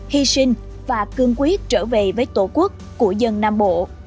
hy sinh và cương quyết trở về với tổ quốc của dân nam bộ